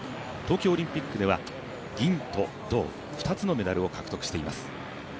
東京オリンピックでは銀と、銅、２つのメダルを獲得しています。